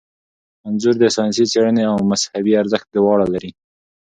انځور د ساینسي څیړنې او مذهبي ارزښت دواړه لري.